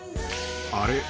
［「あれ？